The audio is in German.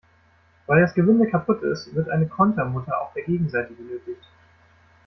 Weil das Gewinde kaputt ist, wird eine Kontermutter auf der Gegenseite benötigt.